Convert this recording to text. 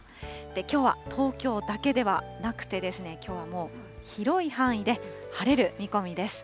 きょうは東京だけではなくて、きょうはもう、広い範囲で晴れる見込みです。